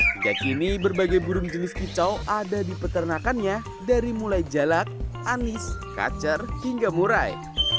hingga kini berbagai burung jenis kicau ada di peternakannya dari mulai jalak anis kacer hingga murai